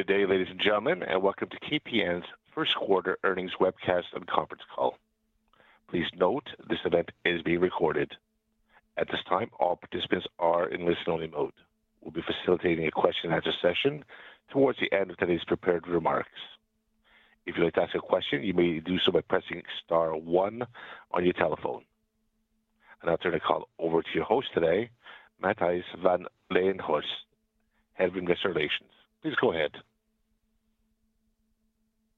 Good day, ladies and gentlemen, and welcome to KPN's Q1 Earnings Webcast and Conference Call. Please note this event is being recorded. At this time, all participants are in listen-only mode. We'll be facilitating a question and answer session towards the end of today's prepared remarks. If you'd like to ask a question, you may do so by pressing star one on your telephone. I'll turn the call over to your host today, Matthijs van Leijenhorst, Head of Investor Relations. Please go ahead.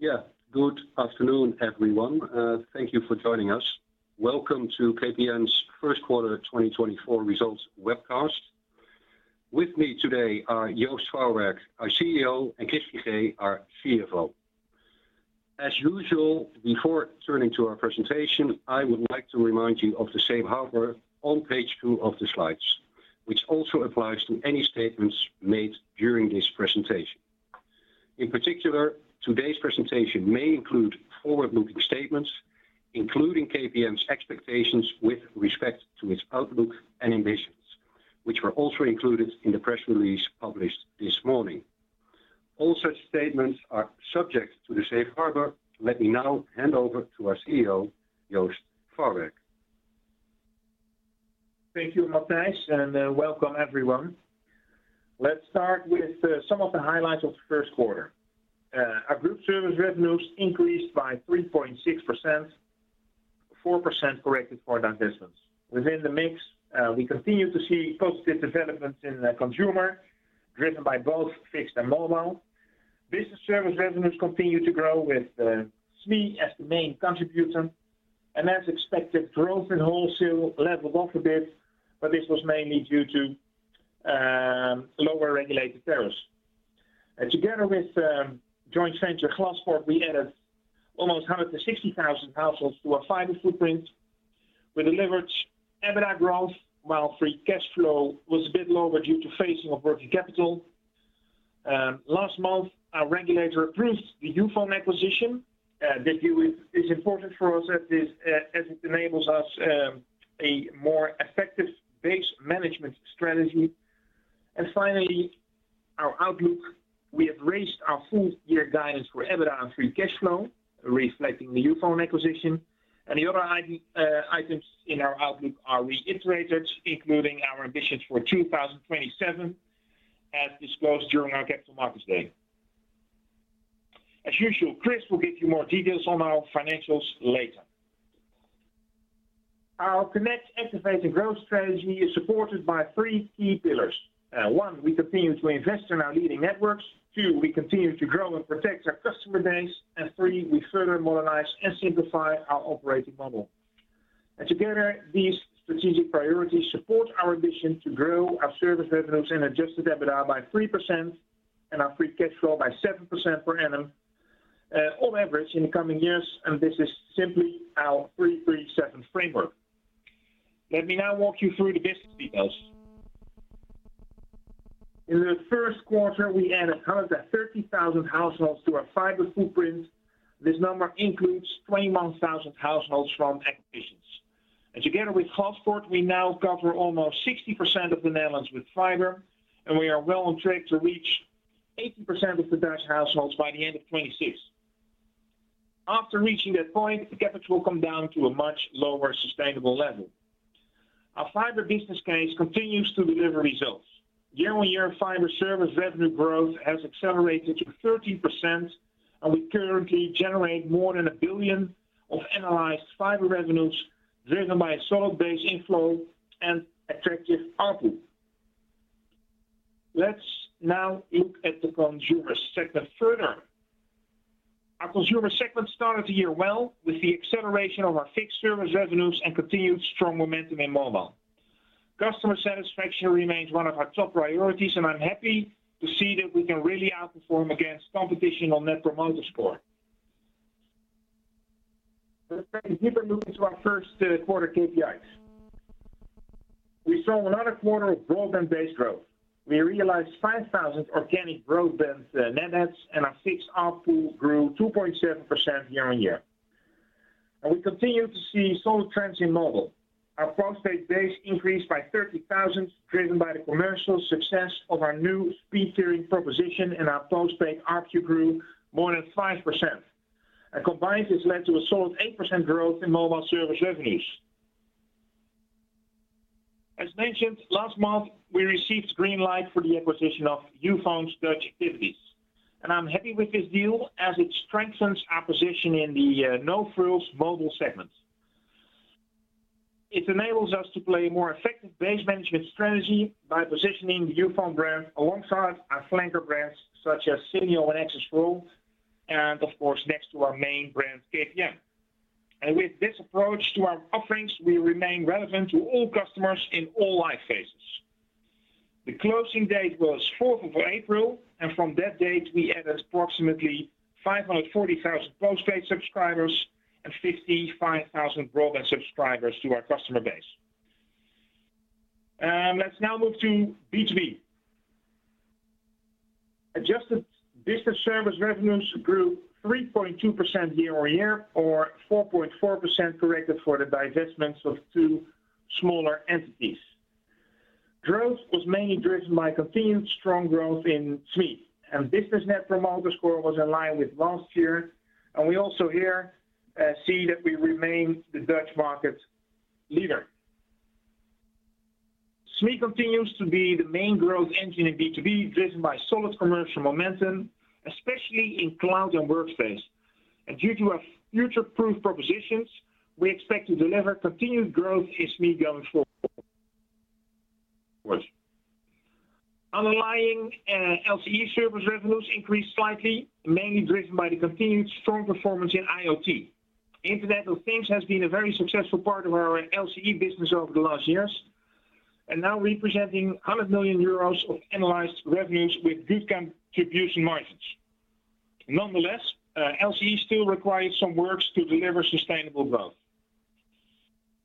Yeah. Good afternoon, everyone. Thank you for joining us. Welcome to KPN's first quarter 2024 results webcast. With me today are Joost Farwerck, our CEO, and Chris Figee, our CFO. As usual, before turning to our presentation, I would like to remind you of the safe harbor on page 2 of the slides, which also applies to any statements made during this presentation. In particular, today's presentation may include forward-looking statements, including KPN's expectations with respect to its outlook and ambitions, which were also included in the press release published this morning. All such statements are subject to the safe harbor. Let me now hand over to our CEO, Joost Farwerck. Thank you, Matthijs, and welcome everyone. Let's start with some of the highlights of the first quarter. Our group service revenues increased by 3.6%, 4% corrected for divestments. Within the mix, we continue to see positive developments in the consumer, driven by both fixed and mobile. Business service revenues continued to grow with SME as the main contributor. And as expected, growth in wholesale leveled off a bit, but this was mainly due to lower regulated tariffs. And together with joint venture Glaspoort, we added almost 160,000 households to our fiber footprint. We delivered EBITDA growth, while free cash flow was a bit lower due to phasing of working capital. Last month, our regulator approved the Youfone acquisition. The deal is important for us as this as it enables us a more effective base management strategy. And finally, our outlook. We have raised our full year guidance for EBITDA and free cash flow, reflecting the Youfone acquisition. And the other item, items in our outlook are reiterated, including our ambitions for 2027, as disclosed during our Capital Markets Day. As usual, Chris will give you more details on our financials later. Our Connect, Activate, and Grow strategy is supported by three key pillars. One, we continue to invest in our leading networks. Two, we continue to grow and protect our customer base. And three, we further modernize and simplify our operating model. Together, these strategic priorities support our ambition to grow our service revenues and adjusted EBITDA by 3% and our free cash flow by 7% per annum on average in the coming years, and this is simply our 3, 3, 7 framework. Let me now walk you through the business details. In the first quarter, we added 130,000 households to our fiber footprint. This number includes 21,000 households from acquisitions. Together with Glaspoort, we now cover almost 60% of the Netherlands with fiber, and we are well on track to reach 80% of the Dutch households by the end of 2026. After reaching that point, the CapEx will come down to a much lower sustainable level. Our fiber business case continues to deliver results. Year-on-year fiber service revenue growth has accelerated to 13%, and we currently generate more than 1 billion of annualized fiber revenues, driven by a solid base inflow and attractive output. Let's now look at the consumer segment further. Our consumer segment started the year well, with the acceleration of our fixed service revenues and continued strong momentum in mobile. Customer satisfaction remains one of our top priorities, and I'm happy to see that we can really outperform against competition on Net Promoter Score. Let's take a deeper look into our first quarter KPIs. We saw another quarter of broadband base growth. We realized 5,000 organic broadband net adds, and our fixed output grew 2.7% year-on-year. We continue to see solid trends in mobile. Our postpaid base increased by 30,000, driven by the commercial success of our new speed tiering proposition, and our postpaid ARPU grew more than 5%. And combined, this led to a solid 8% growth in mobile service revenues. As mentioned, last month, we received green light for the acquisition of Youfone's Dutch activities, and I'm happy with this deal as it strengthens our position in the no-frills mobile segment. It enables us to play a more effective base management strategy by positioning the Youfone brand alongside our flanker brands, such as Simyo and XS4ALL, and of course, next to our main brand, KPN. And with this approach to our offerings, we remain relevant to all customers in all life phases. The closing date was fourth of April, and from that date, we added approximately 540,000 postpaid subscribers and 55,000 broadband subscribers to our customer base. Let's now move to B2B. Adjusted business service revenues grew 3.2% year-over-year, or 4.4% corrected for the divestments of smaller entities. Growth was mainly driven by continued strong growth in SME. Business net promoter score was in line with last year, and we also here see that we remain the Dutch market leader. SME continues to be the main growth engine in B2B, driven by solid commercial momentum, especially in cloud and workspace. Due to our future-proof propositions, we expect to deliver continued growth in SME going forward. Underlying LCE service revenues increased slightly, mainly driven by the continued strong performance in IoT. Internet of Things has been a very successful part of our LCE business over the last years, and now representing 100 million euros of annualized revenues with good contribution margins. Nonetheless, LCE still requires some work to deliver sustainable growth.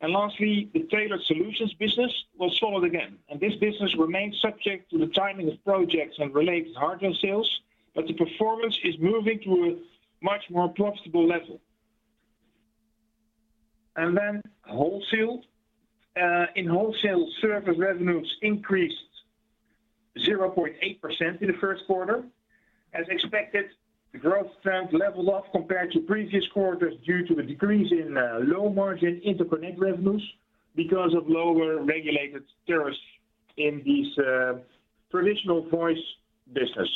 Lastly, the tailored solutions business was solid again, and this business remains subject to the timing of projects and related hardware sales, but the performance is moving to a much more profitable level. Then wholesale. In wholesale, service revenues increased 0.8% in the first quarter. As expected, the growth trend leveled off compared to previous quarters due to a decrease in low margin interconnect revenues, because of lower regulated tariffs in these traditional voice business.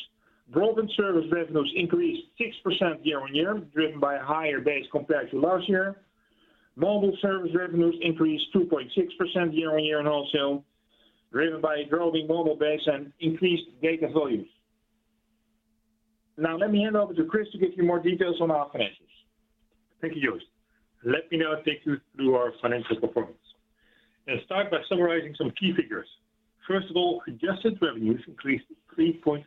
Broadband service revenues increased 6% year-on-year, driven by a higher base compared to last year. Mobile service revenues increased 2.6% year-on-year, and also driven by a growing mobile base and increased data volumes. Now, let me hand over to Chris to give you more details on our finances. Thank you, Joost. Let me now take you through our financial performance. Let's start by summarizing some key figures. First of all, adjusted revenues increased 3.3%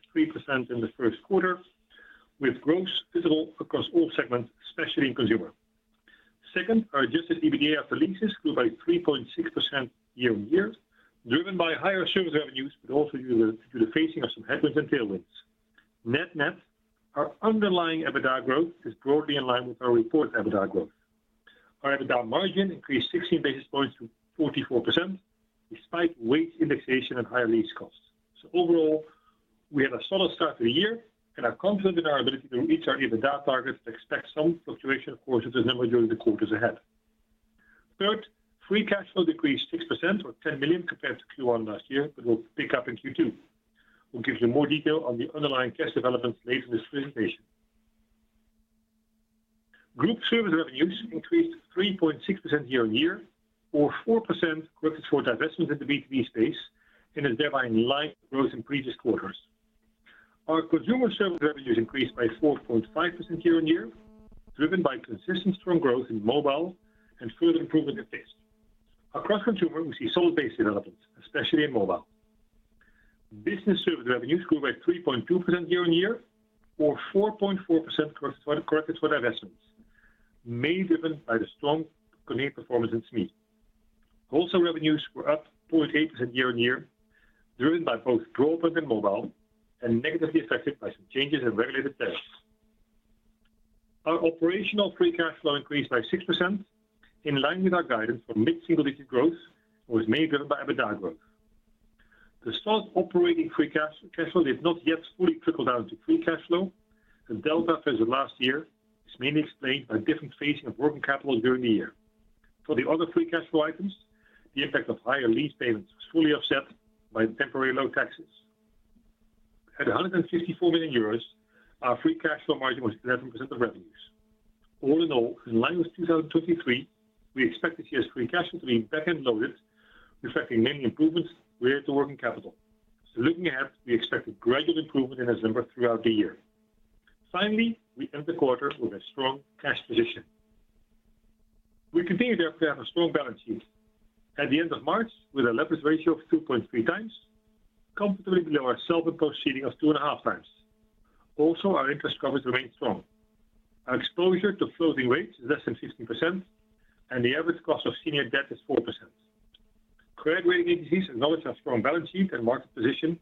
in the first quarter, with growth visible across all segments, especially in consumer. Second, our adjusted EBITDA after leases grew by 3.6% year-over-year, driven by higher service revenues, but also due to, due to the phasing of some headwinds and tailwinds. Net-net, our underlying EBITDA growth is broadly in line with our reported EBITDA growth. Our EBITDA margin increased 16 basis points to 44%, despite wage indexation and higher lease costs. So overall, we had a solid start to the year, and are confident in our ability to reach our EBITDA targets and expect some fluctuation, of course, as a number during the quarters ahead. Third, free cash flow decreased 6% or 10 million compared to Q1 last year, but will pick up in Q2. We'll give you more detail on the underlying cash developments later in this presentation. Group service revenues increased 3.6% year-on-year or 4%, corrected for divestments in the B2B space, and is thereby in line with growth in previous quarters. Our consumer service revenues increased by 4.5% year-on-year, driven by consistent strong growth in mobile and further improvement in fixed. Across consumer, we see solid base developments, especially in mobile. Business service revenues grew by 3.2% year-on-year or 4.4% corrected, corrected for divestments, mainly driven by the strong continued performance in SME. Wholesale revenues were up 0.8% year-on-year, driven by both broadband and mobile, and negatively affected by some changes in regulated tariffs. Our operational free cash flow increased by 6%, in line with our guidance for mid-single digit growth, and was mainly driven by EBITDA growth. The strong operating free cash flow did not yet fully trickle down to free cash flow. The delta as of last year is mainly explained by different phasing of working capital during the year. For the other free cash flow items, the effect of higher lease payments was fully offset by temporary low taxes. At 154 million euros, our free cash flow margin was 11% of revenues. All in all, in line with 2023, we expect this year's free cash flow to be back-end loaded, reflecting mainly improvements related to working capital. So looking ahead, we expect a gradual improvement in this number throughout the year. Finally, we end the quarter with a strong cash position. We continue, therefore, to have a strong balance sheet. At the end of March, with a leverage ratio of 2.3 times, comfortably below our self-imposed ceiling of 2.5 times. Also, our interest coverage remains strong. Our exposure to floating rates is less than 15%, and the average cost of senior debt is 4%. Credit rating agencies acknowledge our strong balance sheet and market position,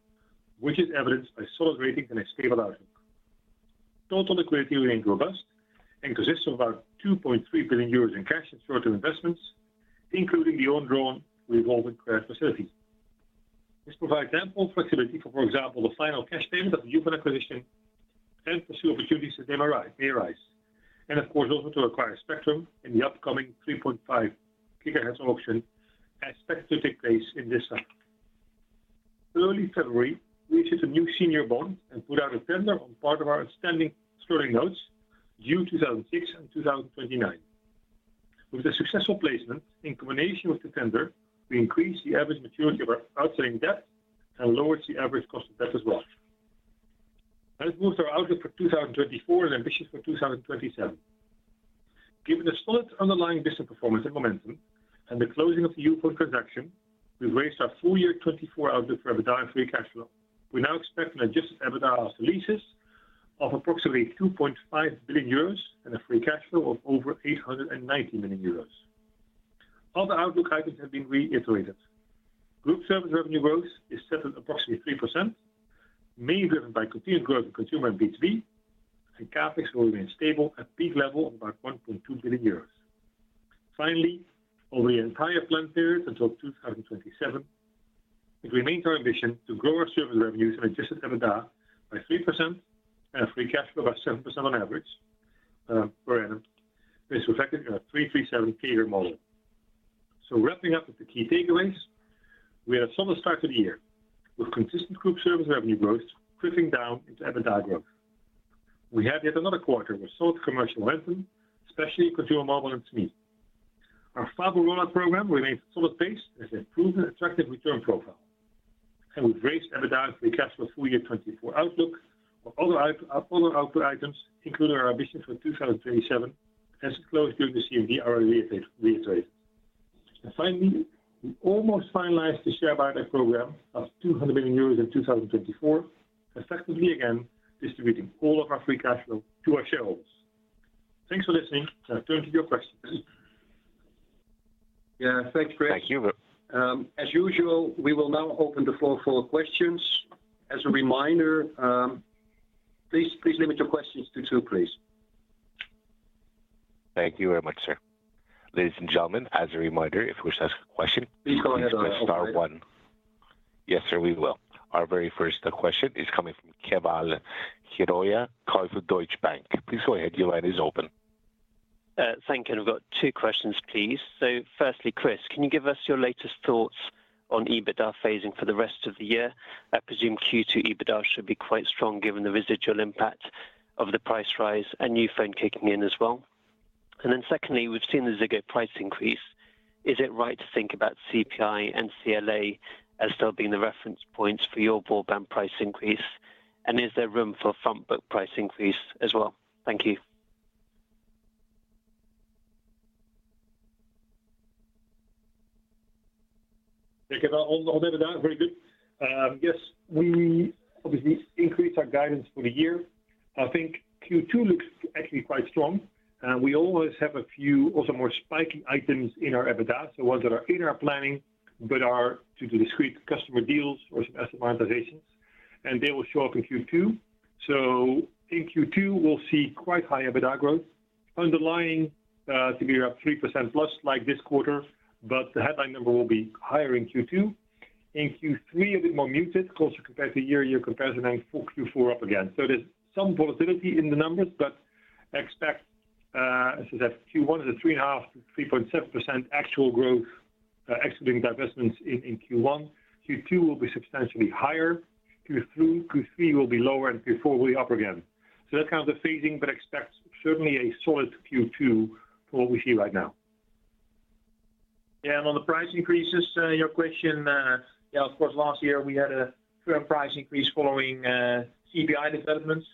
which is evidenced by solid rating and a stable outlook. Total liquidity remains robust and consists of about 2.3 billion euros in cash and short-term investments, including the undrawn revolving credit facilities. This provides ample flexibility for, for example, the final cash payments of the Youfone acquisition, and pursue opportunities as they arrive, may arise, and of course, also to acquire spectrum in the upcoming 3.5 gigahertz auction, expected to take place in this summer. Early February, we issued a new senior bond and put out a tender on part of our outstanding sterling notes, due 2006 and 2029. With the successful placement in combination with the tender, we increased the average maturity of our outstanding debt and lowered the average cost of debt as well. Let's move to our outlook for 2024 and ambitions for 2027. Given the solid underlying business performance and momentum and the closing of the Youfone transaction, we've raised our full year 2024 outlook for EBITDA and free cash flow. We now expect an adjusted EBITDA after leases of approximately 2.5 billion euros and a free cash flow of over 890 million euros. Other outlook items have been reiterated. Group service revenue growth is set at approximately 3%, mainly driven by continued growth in consumer and B2B, and CapEx will remain stable at peak level of about 1.2 billion euros. Finally, over the entire plan period until 2027, it remains our ambition to grow our service revenues and adjusted EBITDA by 3% and our free cash flow by 7% on average per annum. This reflected in our 3-3-7-year model. So wrapping up with the key takeaways, we had a solid start to the year, with consistent group service revenue growth drifting down into EBITDA growth. We had yet another quarter with solid commercial entry, especially in consumer mobile and SME. Our fiber rollout program remains solid pace as it improves an attractive return profile, and we've raised EBITDA and free cash flow full year 2024 outlook. Other output items, including our ambition for 2027, as disclosed during the CMD, are reiterated. And finally, we almost finalized the share buyback program of 200 million euros in 2024, effectively again, distributing all of our free cash flow to our shareholders. Thanks for listening. Now turn to your questions. Yeah, thanks, Chris. Thank you. As usual, we will now open the floor for questions. As a reminder, please, please limit your questions to two, please. Thank you very much, sir. Ladies and gentlemen, as a reminder, if you wish to ask a question- Please go ahead. Please press star one. Yes, sir, we will. Our very first question is coming from Keval Khiroya, calling from Deutsche Bank. Please go ahead. Your line is open. Thank you. And I've got two questions, please. So firstly, Chris, can you give us your latest thoughts on EBITDA phasing for the rest of the year? I presume Q2 EBITDA should be quite strong, given the residual impact of the price rise and Youfone kicking in as well. And then secondly, we've seen the Ziggo price increase. Is it right to think about CPI and CLA as still being the reference points for your broadband price increase? And is there room for front-book price increase as well? Thank you. Thank you. All, all noted down. Very good. Yes, we obviously increased our guidance for the year. I think Q2 looks actually quite strong, and we always have a few also more spiky items in our EBITDA. So ones that are in our planning, but are due to discrete customer deals or some asset monetizations, and they will show up in Q2. So in Q2, we'll see quite high EBITDA growth. Underlying, to be up 3%+, like this quarter, but the headline number will be higher in Q2. In Q3, a bit more muted, closer compared to year-to-year comparison, and Q4 up again. So there's some volatility in the numbers, but expect, as I said, Q1 is a 3.5, 3.7% actual growth, excluding divestments in, in Q1. Q2 will be substantially higher. Q3, Q3 will be lower, and Q4 will be up again. So that's kind of the phasing, but expect certainly a solid Q2 from what we see right now. Yeah, and on the price increases, your question, yeah, of course, last year we had a price increase following CPI developments.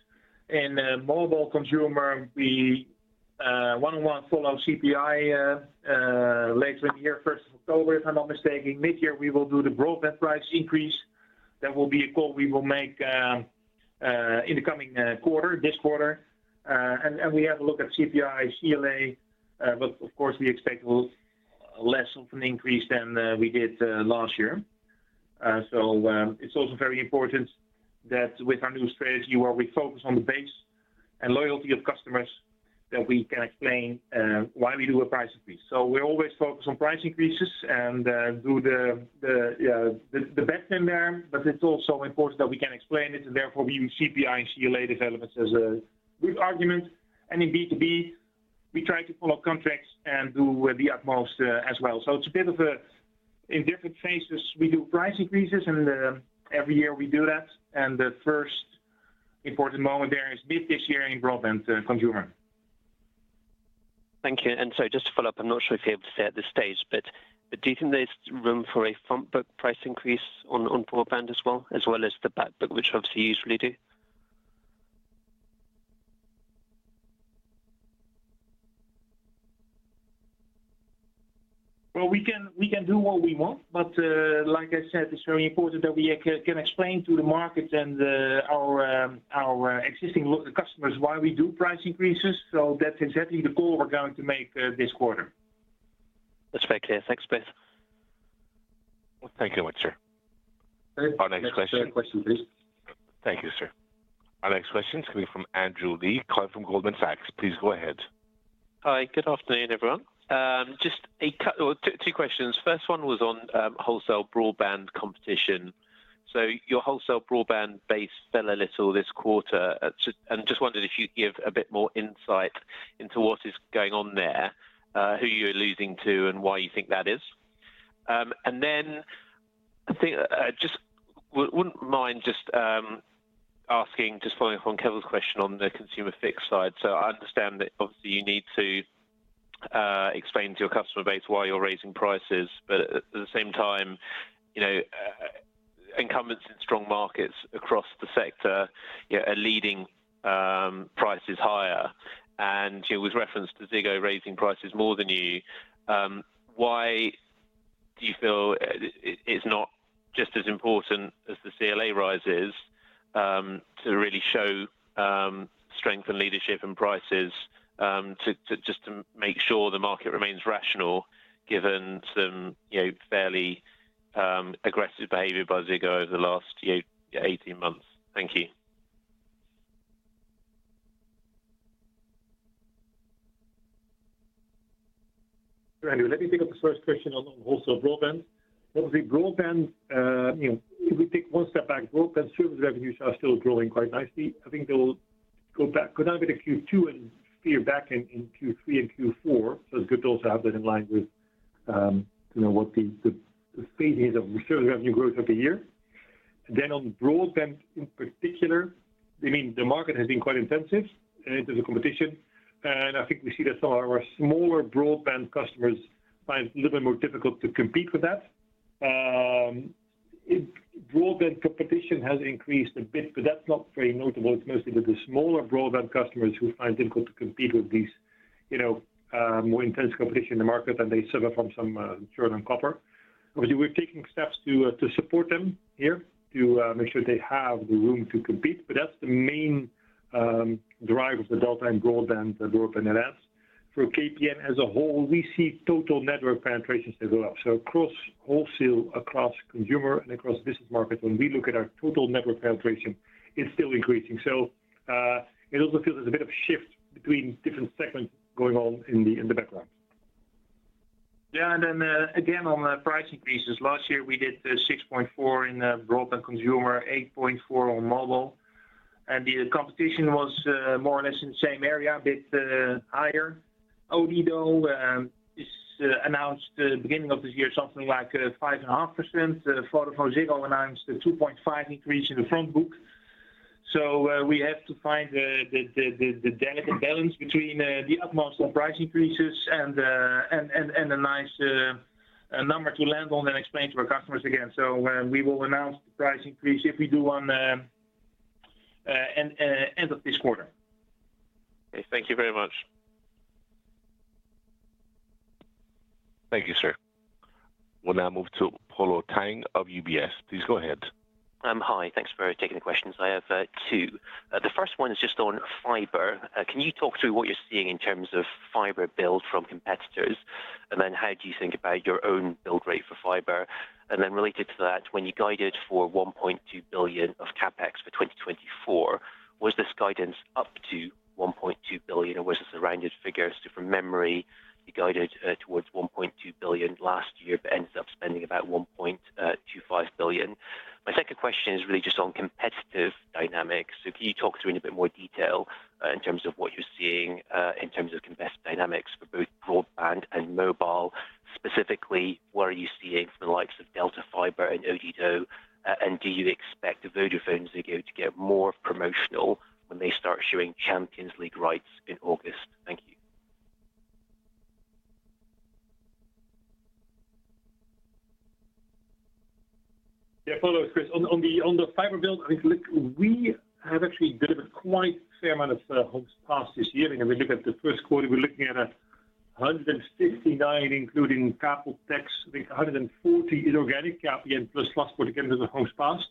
In mobile consumer, we one-on-one follow CPI later in the year, first of October, if I'm not mistaking. Mid-year, we will do the broadband price increase. That will be a call we will make in the coming quarter, this quarter. And we have a look at CPI, CLA, but of course, we expect less of an increase than we did last year. So, it's also very important that with our new strategy, where we focus on the base and loyalty of customers, that we can explain why we do a price increase. So we always focus on price increases and do the best in there, but it's also important that we can explain it, and therefore, we use CPI and CLA developments as a good argument. And in B2B, we try to follow contracts and do the utmost as well. So it's a bit of a... In different phases, we do price increases, and every year we do that. And the first important moment there is mid this year in broadband consumer. Thank you. And so just to follow up, I'm not sure if you're able to say at this stage, but, but do you think there's room for a front-book price increase on, on broadband as well, as well as the back book, which obviously you usually do? Well, we can, we can do what we want, but, like I said, it's very important that we can explain to the market and, our existing customers why we do price increases. So that's exactly the call we're going to make, this quarter. That's very clear. Thanks, Chris. Well, thank you very much, sir. Next question, please. Thank you, sir. Our next question is coming from Andrew Lee, calling from Goldman Sachs. Please go ahead. Hi, good afternoon, everyone. Just two questions. First one was on wholesale broadband competition. So your wholesale broadband base fell a little this quarter. So, and just wondered if you could give a bit more insight into what is going on there, who you're losing to, and why you think that is? And then, I think, just wouldn't mind just asking, just following up on Keval's question on the consumer fixed side. So I understand that, obviously, you need to explain to your customer base why you're raising prices, but at the same time, you know, incumbents in strong markets across the sector, you know, are leading prices higher. And, you know, with reference to Ziggo raising prices more than you, why do you feel it, it's not just as important as the CLA rise is?... To really show strength and leadership in prices, to just make sure the market remains rational, given some, you know, fairly aggressive behavior by Ziggo over the last 18 months. Thank you. Let me pick up the first question on wholesale broadband. Obviously, broadband, you know, if we take one step back, broadband service revenues are still growing quite nicely. I think they will go down a bit in Q2 and steer back in, in Q3 and Q4. So it's good to also have that in line with, you know, what the, the stages of service revenue growth of the year. Then on broadband in particular, I mean, the market has been quite intensive, and there's a competition, and I think we see that some of our smaller broadband customers find it a little bit more difficult to compete with that. Broadband competition has increased a bit, but that's not very notable. It's mostly with the smaller broadband customers who find it difficult to compete with these, you know, more intense competition in the market, and they suffer from some churn on copper. Obviously, we're taking steps to support them here, to make sure they have the room to compete, but that's the main driver of the Delta and broadband, the broadband LS. For KPN as a whole, we see total network penetrations to go up. So across wholesale, across consumer, and across business markets, when we look at our total network penetration, it's still increasing. So, it also feels there's a bit of a shift between different segments going on in the background. Yeah, again, on the price increases, last year, we did the 6.4% in the broadband consumer, 8.4% on mobile, and the competition was more or less in the same area, a bit higher. Odido has announced at the beginning of this year something like 5.5%. And from Ziggo announced a 2.5% increase in the front book. So, we have to find the delicate balance between the utmost on price increases and a nice number to land on and explain to our customers again. So, we will announce the price increase if we do one end of this quarter. Okay. Thank you very much. Thank you, sir. We'll now move to Polo Tang of UBS. Please go ahead. Hi, thanks for taking the questions. I have 2. The first one is just on fiber. Can you talk through what you're seeing in terms of fiber build from competitors? And then how do you think about your own build rate for fiber? And then related to that, when you guided for 1.2 billion of CapEx for 2024, was this guidance up to 1.2 billion, or was it a rounded figure? So from memory, you guided towards 1.2 billion last year, but ended up spending about 1.25 billion. My second question is really just on competitive dynamics. So can you talk to me in a bit more detail in terms of what you're seeing in terms of competitive dynamics for both broadband and mobile? Specifically, what are you seeing from the likes of Delta Fiber and Odido, and do you expect the VodafoneZiggo to get more promotional when they start showing Champions League rights in August? Thank you. Yeah, Polo, it's Chris. On the fiber build, I think, look, we have actually delivered quite a fair amount of homes passed this year. And when we look at the first quarter, we're looking at 169, including CapEx. I think 140 inorganic CapEx plus last quarter, again, to the homes passed.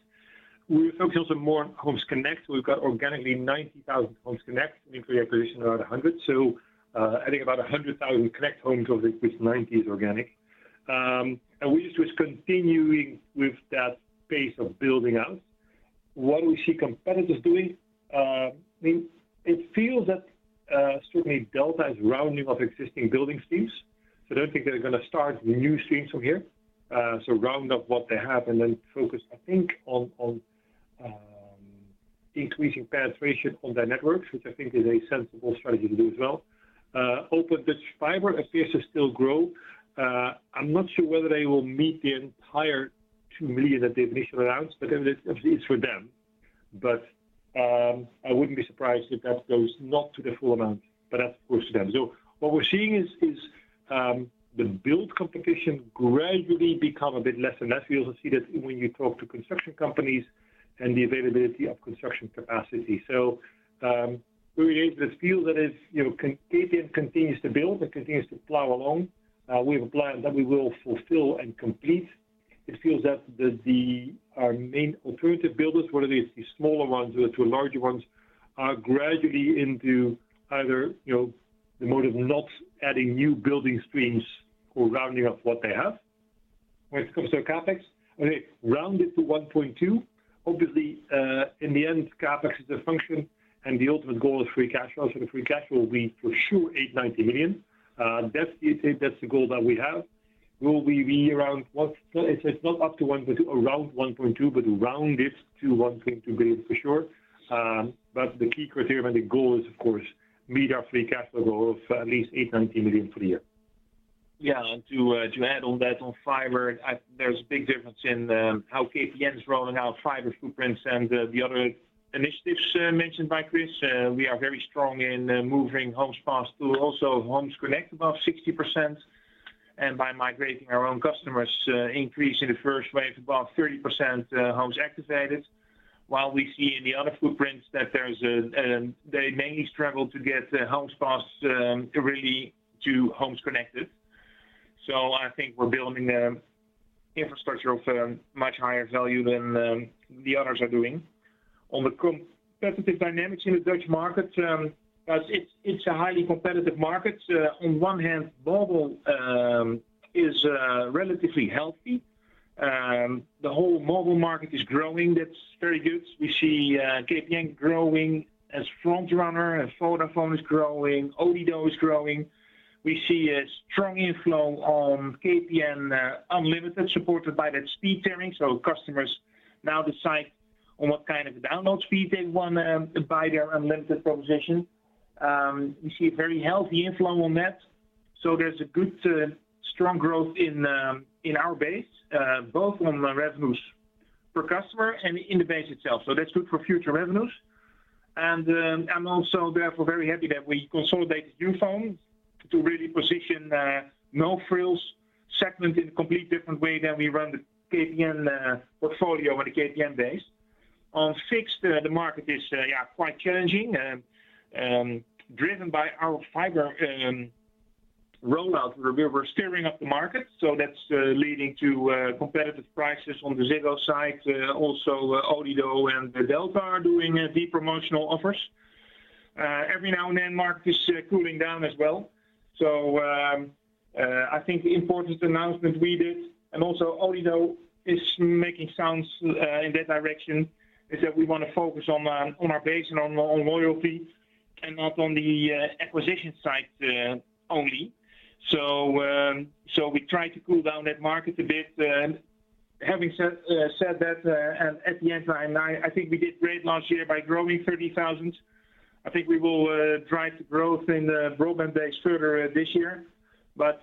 We focused on more homes connect. We've got organically 90,000 homes connect, and we acquired around 100. So, I think about 100,000 connect homes, of which 90 is organic. And we're just continuing with that pace of building out. What we see competitors doing, I mean, it feels that certainly Delta is rounding up existing building streams, so I don't think they're gonna start new streams from here. So round up what they have and then focus, I think, on increasing penetration on their networks, which I think is a sensible strategy to do as well. Open Dutch Fiber appears to still grow. I'm not sure whether they will meet the entire 2 million that they initially announced, but it's for them. But I wouldn't be surprised if that goes not to the full amount, but that's of course, them. So what we're seeing is the build competition gradually become a bit less and less. We also see that when you talk to construction companies and the availability of construction capacity. So we create this feel that is, you know, KPN continues to build, it continues to plow along. We have a plan that we will fulfill and complete. It feels that our main alternative builders, one of these, the smaller ones or to larger ones, are gradually into either, you know, the mode of not adding new building streams or rounding up what they have. When it comes to CapEx, okay, round it to 1.2. Obviously, in the end, CapEx is a function, and the ultimate goal is free cash flow. So the free cash flow will be for sure, 890 million. That's, that's the goal that we have. Will we be around what— It's, it's not up to 1.2, around 1.2, but rounded to 1.2 billion for sure. But the key criterion and the goal is, of course, meet our free cash flow goal of at least 890 million for the year. Yeah, and to add on that, on fiber, there's a big difference in how KPN is rolling out fiber footprints and the other initiatives mentioned by Chris. We are very strong in moving Homes Passed to also Homes Connect above 60%. And by migrating our own customers, increase in the first wave, above 30%, homes activated. While we see in the other footprints that they mainly struggle to get Homes Passed really to Homes Connected. So I think we're building the infrastructure of much higher value than the others are doing. On the competitive dynamics in the Dutch market, as it's a highly competitive market. On one hand, mobile is relatively healthy. The whole mobile market is growing. That's very good. We see KPN growing as front runner, and Vodafone is growing, Odido is growing. We see a strong inflow on KPN Unlimited, supported by that speed tiering, so customers now decide on what kind of download speed they want to buy their unlimited proposition. We see a very healthy inflow on that, so there's a good strong growth in our base both on the revenues per customer and in the base itself. So that's good for future revenues. I'm also therefore very happy that we consolidated Youfone to really position no frills segment in a completely different way than we run the KPN portfolio or the KPN base. On fixed, the market is yeah, quite challenging, driven by our fiber rollout. We're stirring up the market, so that's leading to competitive prices on the Ziggo side. Also, Odido and Delta are doing deep promotional offers. Every now and then, market is cooling down as well. So, I think the important announcement we did, and also Odido is making sounds in that direction, is that we want to focus on our base and on loyalty, and not on the acquisition side only. So, so we try to cool down that market a bit. Having said that, and at the end, I think we did great last year by growing 30,000. I think we will drive the growth in the broadband base further this year. But,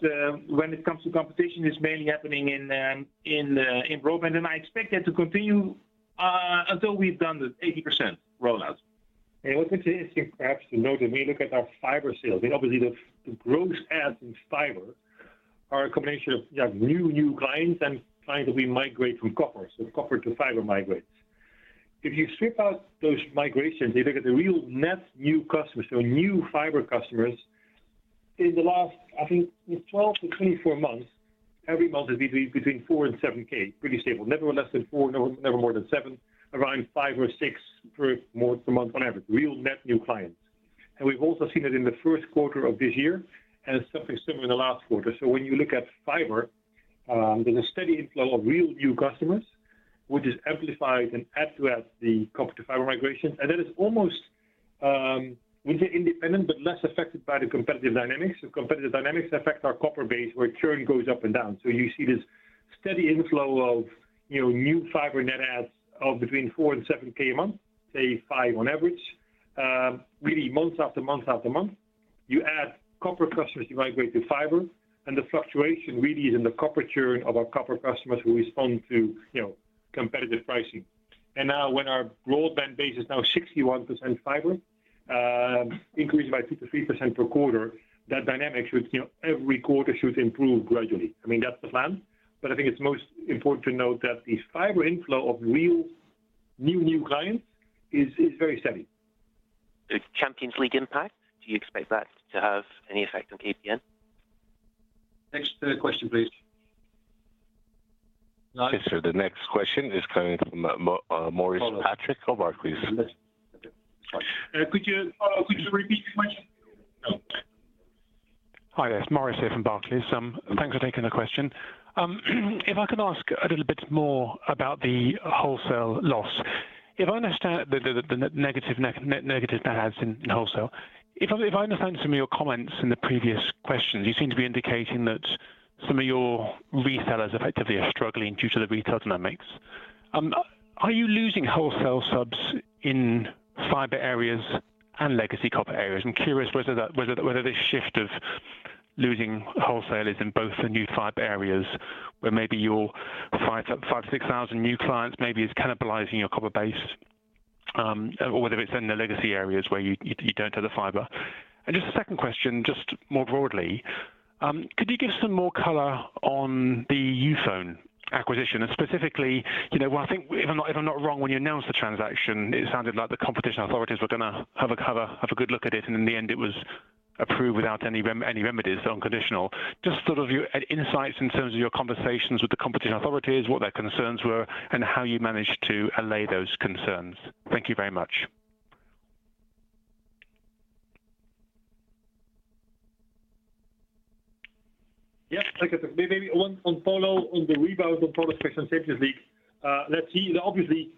when it comes to competition, it's mainly happening in broadband, and I expect that to continue until we've done the 80% rollout. What's interesting, perhaps to note, when we look at our fiber sales, and obviously the gross adds in fiber are a combination of, yeah, new, new clients and clients we migrate from copper, so copper to fiber migrates. If you strip out those migrations, if you look at the real net new customers, so new fiber customers, in the last, I think, 12-24 months, every month is between 4-7K, pretty stable. Never less than four, never more than seven, around 5 or 6 per month on average, real net new clients. And we've also seen it in the first quarter of this year, and something similar in the last quarter. So when you look at fiber, there's a steady inflow of real new customers, which is amplified and add to as the copper to fiber migration. That is almost independent, but less affected by the competitive dynamics. The competitive dynamics affect our copper base, where churn goes up and down. So you see this steady inflow of, you know, new fiber net adds of between 4 and 7 K a month, say 5 on average. Really, month after month after month, you add copper customers, you migrate to fiber, and the fluctuation really is in the copper churn of our copper customers who respond to, you know, competitive pricing. And now, when our broadband base is now 61% fiber, increased by 2%-3% per quarter, that dynamic should, you know, every quarter should improve gradually. I mean, that's the plan. But I think it's most important to note that the fiber inflow of real new clients is very steady. The Champions League impact, do you expect that to have any effect on KPN? Next, question, please. Okay, so the next question is coming from Maurice Patrick of Barclays. Could you, could you repeat the question? Hi, there. It's Maurice here from Barclays. Thanks for taking the question. If I could ask a little bit more about the wholesale loss. If I understand the negative net negative adds in wholesale, if I understand some of your comments in the previous questions, you seem to be indicating that some of your resellers effectively are struggling due to the retail dynamics. Are you losing wholesale subs in fiber areas and legacy copper areas? I'm curious whether that, whether this shift of losing wholesale is in both the new fiber areas, where maybe your 556 thousand new clients maybe is cannibalizing your copper base, or whether it's in the legacy areas where you, you don't have the fiber. Just a second question, just more broadly, could you give some more color on the Youfone acquisition? And specifically, you know, I think if I'm not, if I'm not wrong, when you announced the transaction, it sounded like the competition authorities were gonna have a good look at it, and in the end, it was approved without any remedies, unconditional. Just sort of your insights in terms of your conversations with the competition authorities, what their concerns were, and how you managed to allay those concerns. Thank you very much. Yeah, thank you. Maybe one on follow on the rebound on product question, Champions League. Let's see. Obviously,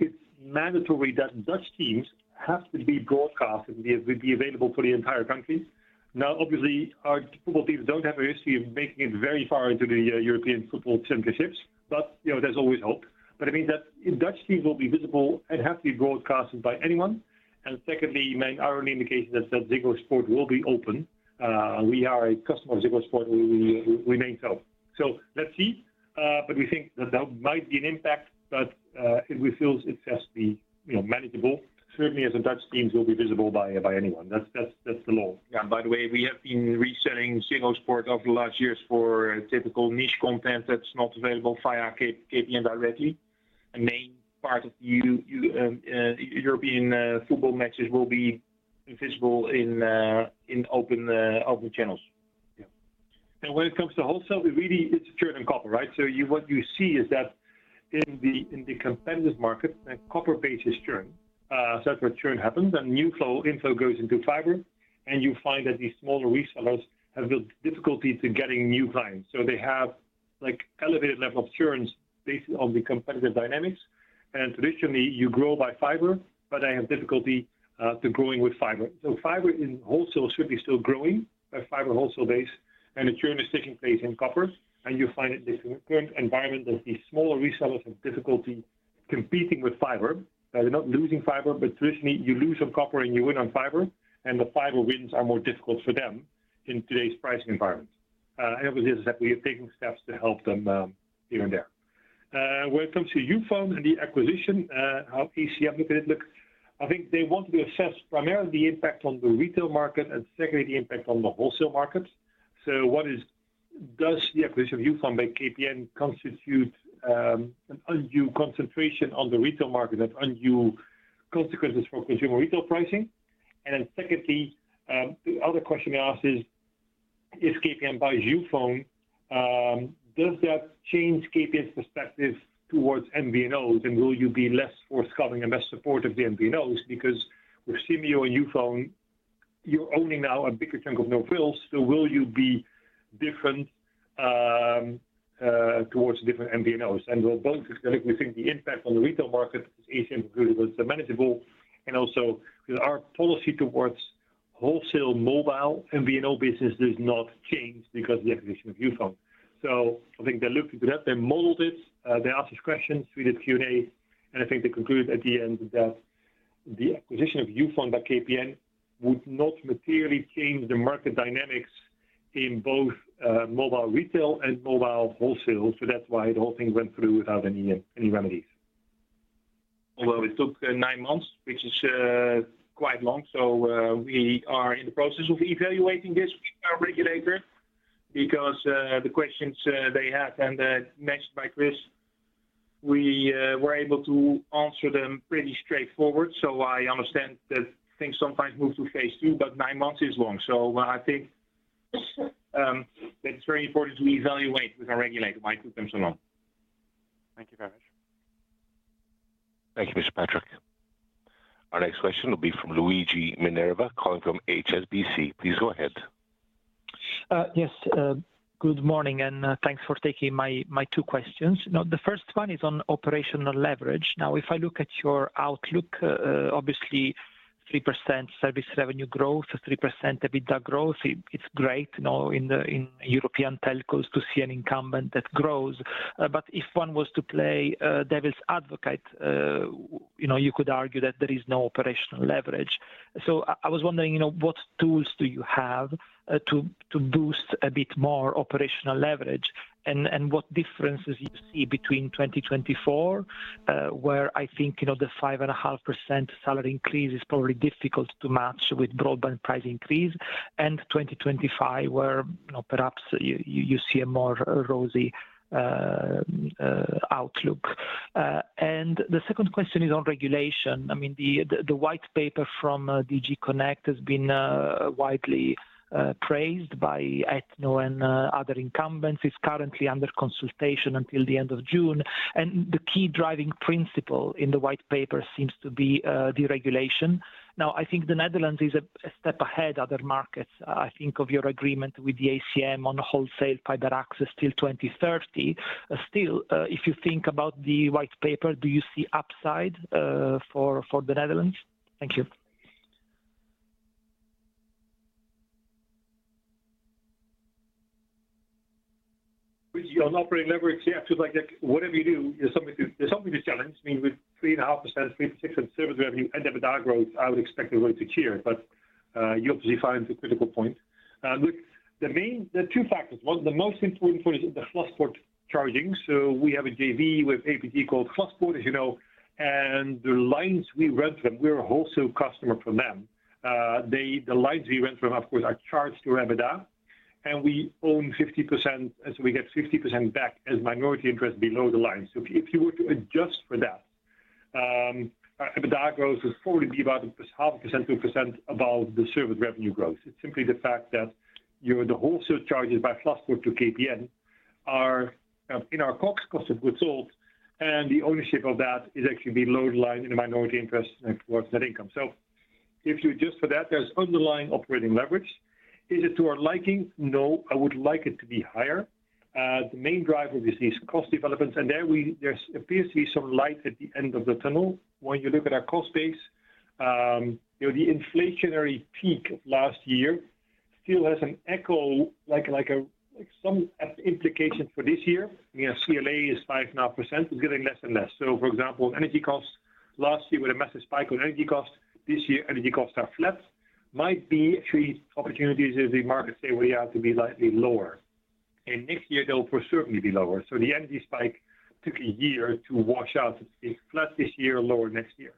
it's mandatory that Dutch teams have to be broadcasted and be available for the entire country. Now, obviously, our football teams don't have a history of making it very far into the European Football Championships, but, you know, there's always hope. But it means that Dutch teams will be visible and have to be broadcasted by anyone. And secondly, my early indication is that Ziggo Sport will be open. We are a customer of Ziggo Sport, and we remain so. So let's see, but we think that that might be an impact, but it feels it has to be, you know, manageable. Certainly, as the Dutch teams will be visible by anyone. That's the law. Yeah, by the way, we have been reselling Ziggo Sport over the last years for a typical niche content that's not available via KPN directly. A main part of UEFA European football matches will be visible in open channels. Yeah. And when it comes to wholesale, we really it's churn and copper, right? So you, what you see is that in the competitive market, the copper base is churn. So that's where churn happens, and new flow, inflow goes into fiber, and you find that these smaller resellers have built difficulty to getting new clients. So they have, like, elevated level of churns based on the competitive dynamics. And traditionally, you grow by fiber, but they have difficulty to growing with fiber. So fiber in wholesale should be still growing, that fiber wholesale base, and the churn is taking place in copper. And you find that this current environment that the smaller resellers have difficulty competing with fiber. They're not losing fiber, but traditionally you lose some copper and you win on fiber, and the fiber wins are more difficult for them in today's pricing environment. And obviously that we are taking steps to help them here and there. When it comes to Youfone and the acquisition, how ACM looked at it, look, I think they want to assess primarily the impact on the retail market and secondly, the impact on the wholesale market. So does the acquisition of Youfone by KPN constitute an undue concentration on the retail market, that's undue consequences for consumer retail pricing? And then secondly, the other question they asked is, if KPN buys Youfone, does that change KPN's perspective towards MVNOs? And will you be less forthcoming and less supportive of the MVNOs? Because with Simyo and Youfone, you're owning now a bigger chunk of no-frills, so will you be different towards different MVNOs? And we both think the impact on the retail market, ACM including, was manageable, and also our policy towards wholesale mobile MVNO business does not change because of the acquisition of Youfone. So I think they looked into that, they modeled it, they asked us questions, we did Q&A, and I think they concluded at the end that the acquisition of Youfone by KPN would not materially change the market dynamics in both mobile retail and mobile wholesale. So that's why the whole thing went through without any remedies. Although it took 9 months, which is quite long. So we are in the process of evaluating this with our regulator, because the questions they had, and matched by Chris, we were able to answer them pretty straightforward. So I understand that things sometimes move to phase two, but 9 months is long. So I think that it's very important to evaluate with our regulator why it took them so long. Thank you very much. Thank you, Mr. Patrick. Our next question will be from Luigi Minerva, calling from HSBC. Please go ahead. Yes, good morning, and thanks for taking my two questions. Now, the first one is on operational leverage. Now, if I look at your outlook, obviously 3% service revenue growth, 3% EBITDA growth, it's great, you know, in European telcos to see an incumbent that grows. But if one was to play devil's advocate, you know, you could argue that there is no operational leverage. So I was wondering, you know, what tools do you have to boost a bit more operational leverage? And what differences you see between 2024, where I think, you know, the 5.5% salary increase is probably difficult to match with broadband price increase, and 2025, where, you know, perhaps you see a more rosy outlook. And the second question is on regulation. I mean, the white paper from DG Connect has been widely praised by ETNO and other incumbents. It's currently under consultation until the end of June. And the key driving principle in the white paper seems to be deregulation. Now, I think the Netherlands is a step ahead other markets. I think of your agreement with the ACM on wholesale fiber access till 2030. Still, if you think about the white paper, do you see upside for the Netherlands? Thank you. With you on operating leverage, yeah, because, like, whatever you do, there's something to, there's something to challenge. I mean, with 3.5%, 3%-6% service revenue and EBITDA growth, I would expect everybody to cheer, but you obviously find the critical point. Look, the main... There are two factors. One, the most important point is the Glaspoort charging. So we have a JV with APG called Glaspoort, as you know, and the lines we rent from, we're a wholesale customer from them. They, the lines we rent from, of course, are charged through EBITDA, and we own 50%, as we get 50% back as minority interest below the line. So if you were to adjust for that, our EBITDA growth would probably be about 0.5%, 2% above the service revenue growth. It's simply the fact that, you know, the wholesale charges by Glaspoort to KPN are in our COGS cost of goods sold, and the ownership of that is actually below the line in the minority interest towards net income. So if you adjust for that, there's underlying operating leverage. Is it to our liking? No, I would like it to be higher. The main driver is these cost developments, and there appears to be some light at the end of the tunnel. When you look at our cost base, you know, the inflationary peak of last year still has an echo, like a, like a—some implication for this year. You know, CLA is 5.5%, is getting less and less. So for example, energy costs, last year we had a massive spike on energy costs. This year, energy costs are flat. Might be actually opportunities as the markets say we have to be slightly lower, and next year they'll certainly be lower. So the energy spike took a year to wash out. It's flat this year, lower next year.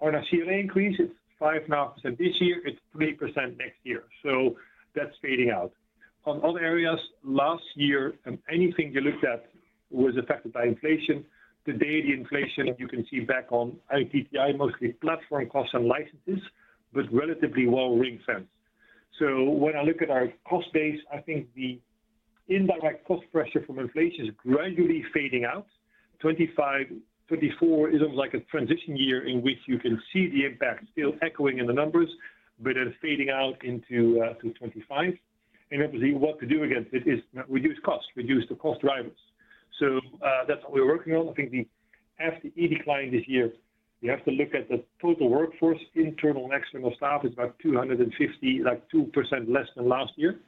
On our CLA increase, it's 5.5% this year, it's 3% next year, so that's fading out. On other areas, last year, anything you looked at was affected by inflation. Today, the inflation, you can see back on IT/TI, mostly platform costs and licenses, but relatively well ring-fenced. So when I look at our cost base, I think the indirect cost pressure from inflation is gradually fading out. 2025, 2024 is almost like a transition year in which you can see the impact still echoing in the numbers, but it's fading out into 2025. Obviously, what to do against it is reduce costs, reduce the cost drivers. So, that's what we're working on. I think the FTE decline this year, you have to look at the total workforce. Internal and external staff is about 250, like 2% less than last year.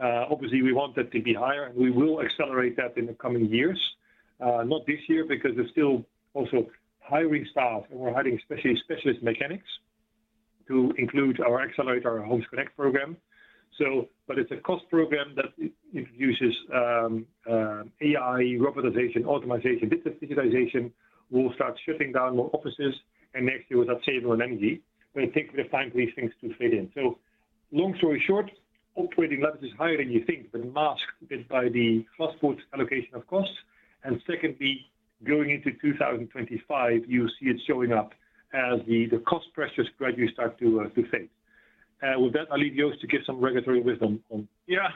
Obviously, we want that to be higher, and we will accelerate that in the coming years. Not this year, because we're still also hiring staff, and we're hiring especially specialist mechanics to include or accelerate our Homes Connect program. So but it's a cost program that introduces AI, robotization, optimization, business digitization. We'll start shutting down more offices, and next year, we'll start saving on energy. But I think we're trying these things to fade in. So long story short, operating leverage is higher than you think, but masked a bit by the Glaspoort allocation of costs. And secondly, going into 2025, you'll see it showing up as the cost pressures gradually start to fade. With that, I'll leave Joost to give some regulatory wisdom on. Yeah.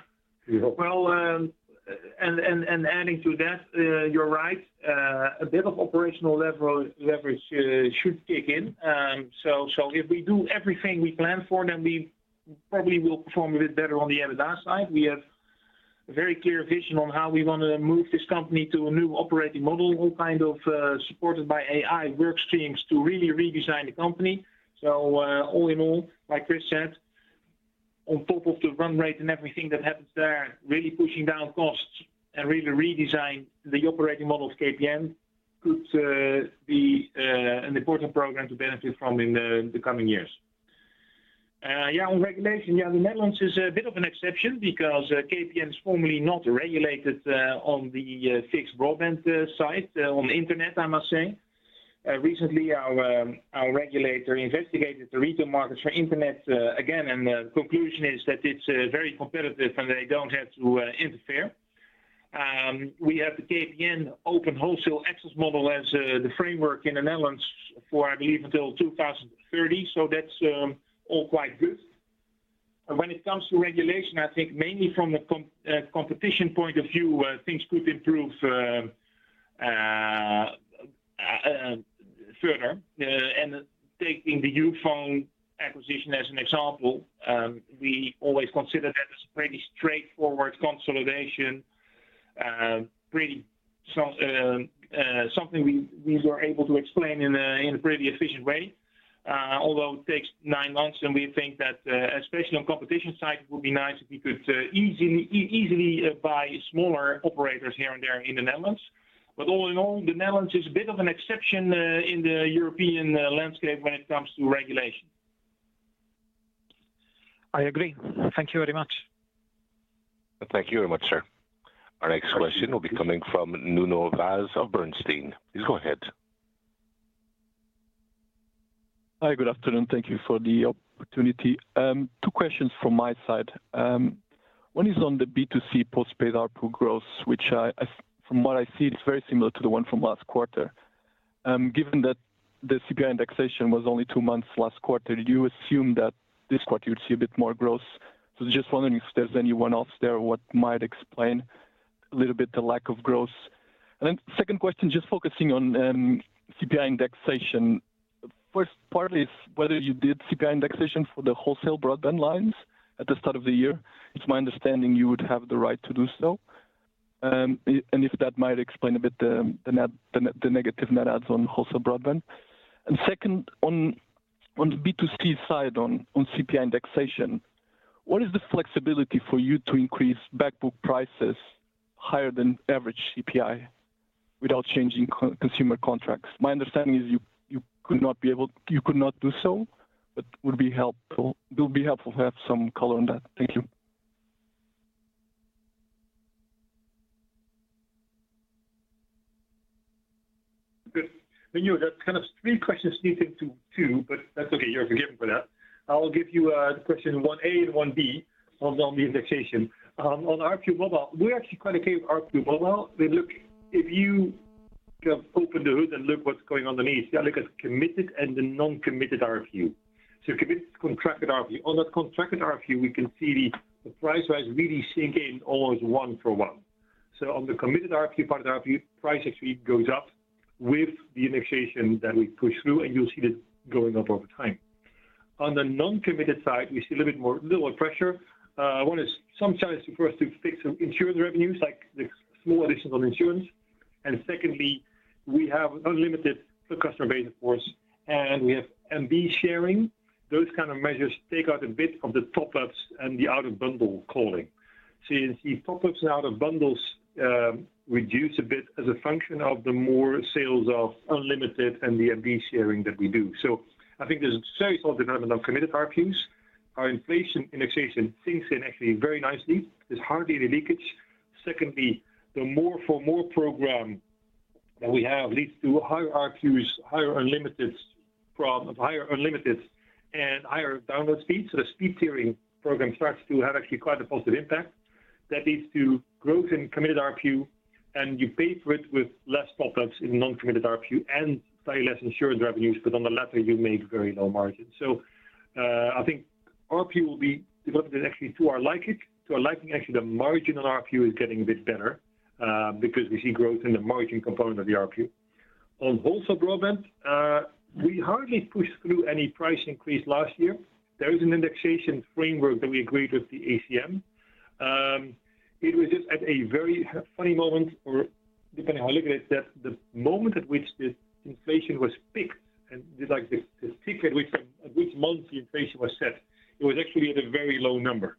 We hope. Well, adding to that, you're right. A bit of operational leverage should kick in. So, if we do everything we plan for, then we probably will perform a bit better on the EBITDA side. We have a very clear vision on how we want to move this company to a new operating model, all kind of supported by AI work streams to really redesign the company. So, all in all, like Chris said, on top of the run rate and everything that happens there, really pushing down costs and really redesign the operating model of KPN could be an important program to benefit from in the coming years. Yeah, on regulation, yeah, the Netherlands is a bit of an exception because KPN is formally not regulated on the fixed broadband side on the internet, I must say. Recently, our regulator investigated the retail markets for internet again, and the conclusion is that it's very competitive, and they don't have to interfere. We have the KPN open wholesale access model as the framework in the Netherlands for, I believe, until 2030. So that's all quite good. When it comes to regulation, I think mainly from the competition point of view, things could improve further. Taking the Youfone acquisition as an example, we always consider that as a pretty straightforward consolidation, something we were able to explain in a pretty efficient way. Although it takes nine months, and we think that, especially on competition side, it would be nice if we could easily buy smaller operators here and there in the Netherlands. All in all, the Netherlands is a bit of an exception in the European landscape when it comes to regulation. I agree. Thank you very much. Thank you very much, sir. Our next question will be coming from Nuno Vaz of Bernstein. Please go ahead. Hi, good afternoon. Thank you for the opportunity. Two questions from my side. One is on the B2C postpaid ARPU growth, which, from what I see, it's very similar to the one from last quarter. Given that the CPI indexation was only two months last quarter, do you assume that this quarter you would see a bit more growth? Just wondering if there's anyone else there, what might explain a little bit the lack of growth. Then second question, just focusing on CPI indexation. First, partly, is whether you did CPI indexation for the wholesale broadband lines at the start of the year. It's my understanding you would have the right to do so. And if that might explain a bit the negative net adds on wholesale broadband. Second, on the B2C side, on CPI indexation, what is the flexibility for you to increase back book prices higher than average CPI without changing consumer contracts? My understanding is you could not be able to do so, but it would be helpful to have some color on that. Thank you. Good. Nuno, that's kind of three questions sneaked into two, but that's okay. You're forgiven for that. I'll give you the question one A and one B on the indexation. On ARPU mobile, we're actually quite okay with ARPU mobile. We look. If you open the hood and look what's going on underneath, you look at committed and the non-committed ARPU. So committed contracted ARPU. On that contracted ARPU, we can see the price rise really sink in almost one for one. So on the committed ARPU, part ARPU, price actually goes up with the indexation that we push through, and you'll see that going up over time. On the non-committed side, we see a little bit more pressure. One is sometimes for us to fix some insurance revenues, like the small additions on insurance. And secondly, we have unlimited customer base, of course, and we have MB sharing. Those kind of measures take out a bit of the top-ups and the out-of-bundle calling. So you see top-ups and out-of-bundles reduce a bit as a function of the more sales of unlimited and the MB sharing that we do. So I think there's a very small development on committed ARPUs. Our inflation indexation sinks in actually very nicely. There's hardly any leakage. Secondly, the more for more program that we have leads to higher ARPU's, higher unlimiteds from, higher unlimiteds and higher download speeds. So the speed tiering program starts to have actually quite a positive impact. That leads to growth in committed ARPU, and you pay for it with less top-ups in non-committed ARPU and slightly less insurance revenues, but on the latter, you make very low margins. So, I think ARPU will be developed actually to our liking. To our liking, actually, the margin on ARPU is getting a bit better, because we see growth in the margin component of the ARPU. On wholesale broadband, we hardly pushed through any price increase last year. There is an indexation framework that we agreed with the ACM. It was just at a very funny moment or depending how you look at it, that the moment at which the inflation was picked, and like the peak at which month the inflation was set, it was actually at a very low number.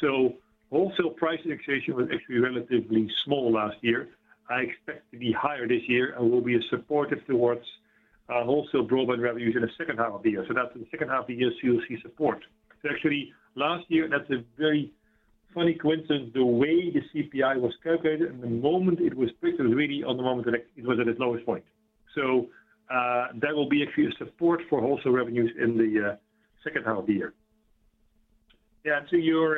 So wholesale price indexation was actually relatively small last year. I expect to be higher this year and will be a supportive towards, wholesale broadband revenues in the second half of the year. That's in the second half of the year, so you'll see support. Actually, last year, that's a very funny coincidence. The way the CPI was calculated, and the moment it was picked was really on the moment that it was at its lowest point. So, that will be actually a support for wholesale revenues in the second half of the year. Yeah, to your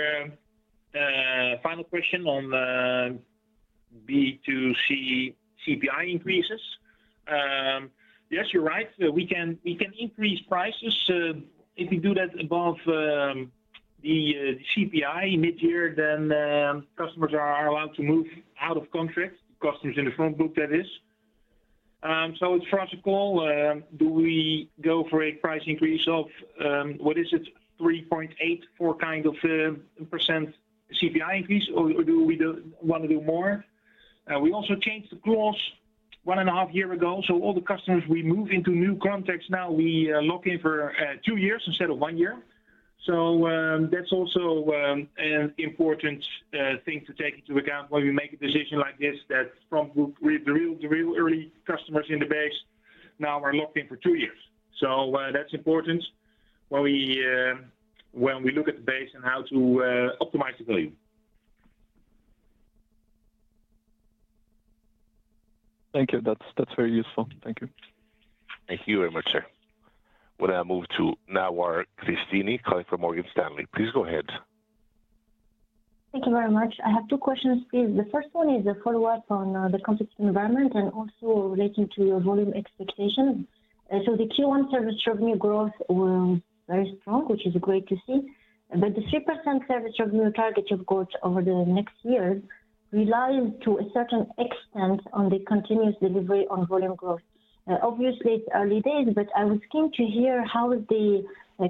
final question on the B2C CPI increases. Yes, you're right. We can, we can increase prices. If we do that above the CPI mid-year, then customers are allowed to move out of contract, customers in the front book, that is. So it's for us to call, do we go for a price increase of what is it? 3.84 kind of percent CPI increase or do we want to do more? We also changed the clause one and a half years ago, so all the customers we move into new contracts now, we lock in for two years instead of one year. So, that's also an important thing to take into account when we make a decision like this, that front group, we, the real, the real early customers in the base now are locked in for two years. So, that's important when we, when we look at the base and how to, optimize the value. Thank you. That's, that's very useful. Thank you. Thank you very much, sir. Well, now I move to Nawar Cristini, calling from Morgan Stanley. Please go ahead. Thank you very much. I have two questions, please. The first one is a follow-up on the competitive environment and also relating to your volume expectations. So the Q1 service revenue growth were very strong, which is great to see, but the 3% service revenue target you've got over the next year relies to a certain extent on the continuous delivery on volume growth. Obviously, it's early days, but I was keen to hear how the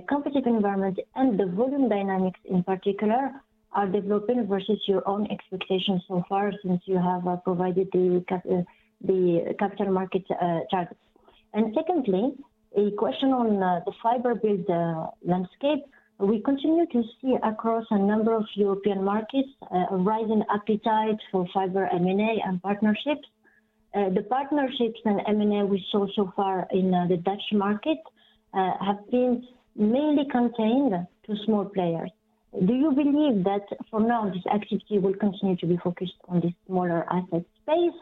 competitive environment and the volume dynamics in particular are developing versus your own expectations so far since you have provided the capital market targets. And secondly, a question on the fiber build landscape. We continue to see across a number of European markets a rising appetite for fiber M&A and partnerships. The partnerships and M&A we saw so far in the Dutch market have been mainly contained to small players. Do you believe that for now, this activity will continue to be focused on the smaller asset space,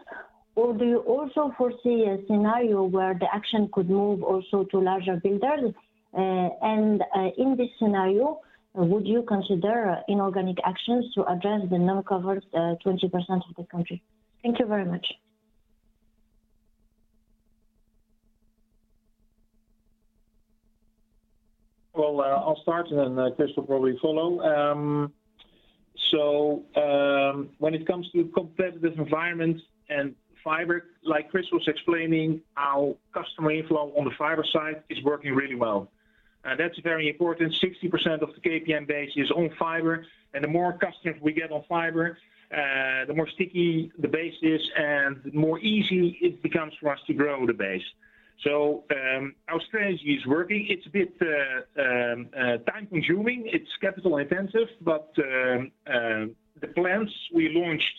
or do you also foresee a scenario where the action could move also to larger builders? And, in this scenario, would you consider inorganic actions to address the non-covered 20% of the country? Thank you very much. Well, I'll start, and then Chris will probably follow. So, when it comes to competitive environment and fiber, like Chris was explaining, our customer inflow on the fiber side is working really well. That's very important. 60% of the KPN base is on fiber, and the more customers we get on fiber, the more sticky the base is and the more easy it becomes for us to grow the base. So, our strategy is working. It's a bit time-consuming, it's capital intensive, but the plans we launched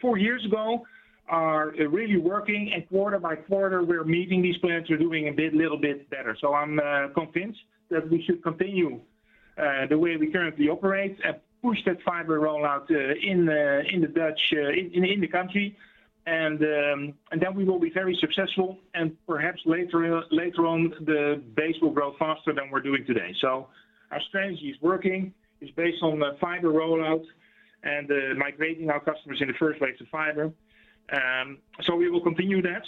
four years ago are really working, and quarter by quarter, we're meeting these plans. We're doing a bit little bit better. I'm convinced that we should continue the way we currently operate and push that fiber rollout in the Dutch country. Then we will be very successful, and perhaps later on, the base will grow faster than we're doing today. Our strategy is working. It's based on the fiber rollout and migrating our customers in the first place to fiber. We will continue that.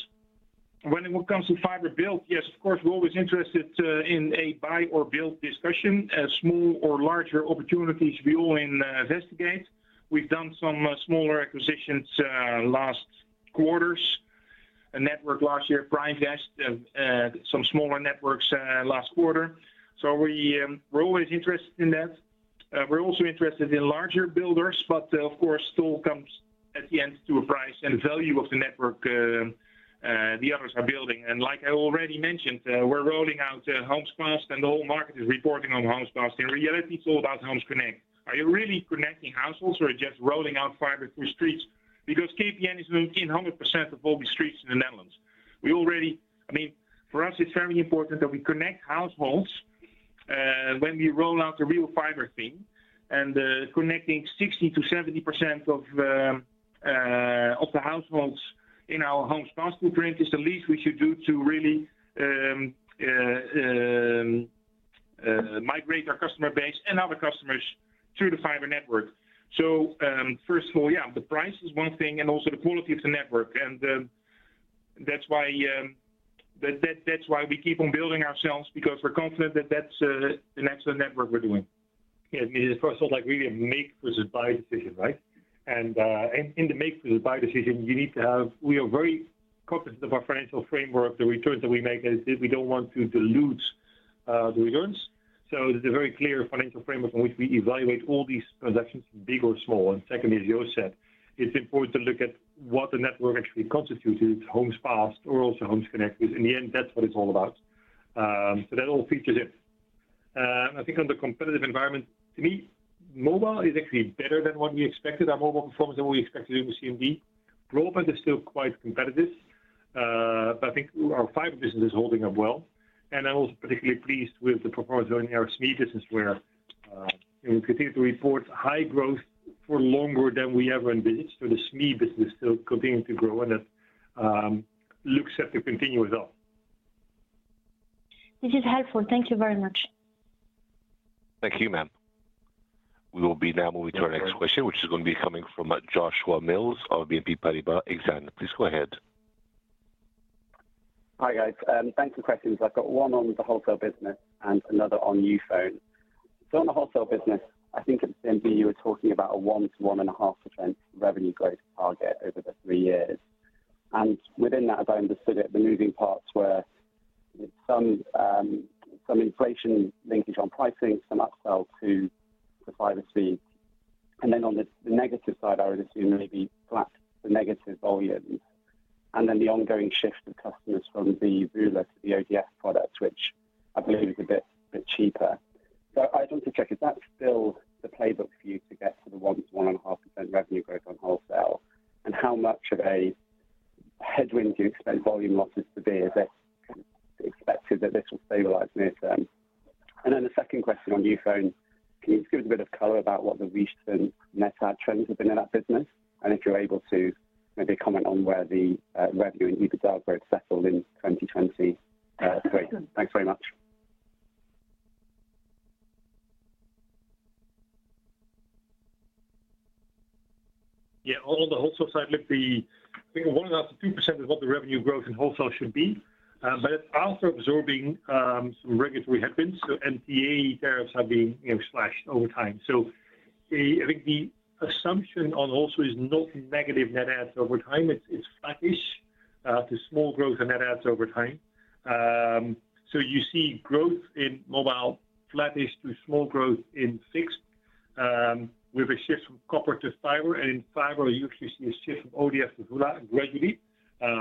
When it comes to fiber build, yes, of course, we're always interested in a buy or build discussion, small or larger opportunities we will investigate. We've done some smaller acquisitions last quarters. A network last year, Primevest, some smaller networks last quarter. We're always interested in that. We're also interested in larger builders, but of course, still comes at the end to a price and value of the network, the others are building. And like I already mentioned, we're rolling out homes passed, and the whole market is reporting on Homes Passed. In reality, it's all about Homes Connect. Are you really connecting households or just rolling out fiber through streets? Because KPN is in 100% of all the streets in the Netherlands. We already... I mean, for us, it's very important that we connect households.... when we roll out the real fiber thing and connecting 60%-70% of the households in our homes, cost per premise is the least we should do to really migrate our customer base and other customers to the fiber network. So, first of all, yeah, the price is one thing, and also the quality of the network. And that's why that's why we keep on building ourselves, because we're confident that that's an excellent network we're doing. Yeah, I mean, first of all, like, really a make versus buy decision, right? And, and in the make versus buy decision, you need to have. We are very confident of our financial framework, the returns that we make, as if we don't want to dilute the returns. So there's a very clear financial framework in which we evaluate all these transactions, big or small. And secondly, as Jo said, it's important to look at what the network actually constitutes homes passed or also homes connected. In the end, that's what it's all about. So that all features it. I think on the competitive environment, to me, mobile is actually better than what we expected. Our mobile performance than what we expected in the CMD. Broadband is still quite competitive, but I think our fiber business is holding up well. And I'm also particularly pleased with the performance in our SME business, where we continue to report high growth for longer than we ever envisioned. So the SME business still continuing to grow, and that looks set to continue as well. This is helpful. Thank you very much. Thank you, ma'am. We will be now moving to our next question, which is going to be coming from Joshua Mills of BNP Paribas Exane. Please go ahead. Hi, guys. Thanks for the questions. I've got one on the wholesale business and another on Youfone. So on the wholesale business, I think at CMD you were talking about a 1%-1.5% revenue growth target over the three years. And within that, if I understood it, the moving parts were some inflation linkage on pricing, some upsell to the privacy. And then on the negative side, I would assume maybe flat to negative volumes, and then the ongoing shift of customers from the VULA to the ODF products, which I believe is a bit cheaper. So I just want to check, is that still the playbook for you to get to the 1%-1.5% revenue growth on wholesale? And how much of a headwind do you expect volume losses to be? Is it expected that this will stabilize near term? And then the second question on Youfone, can you just give us a bit of color about what the recent net add trends have been in that business? And if you're able to maybe comment on where the, revenue and EBITDA growth settled in 2020. Great. Thanks very much. Yeah, on the wholesale side, look, the, I think 1.5%-2% is what the revenue growth in wholesale should be, but it's also absorbing some regulatory headwinds. So MTA tariffs have been, you know, slashed over time. So I think the assumption on also is not negative net adds over time. It's flattish to small growth in net adds over time. So you see growth in mobile, flattish to small growth in fixed, with a shift from copper to fiber. And in fiber, you actually see a shift from ODF to VULA gradually,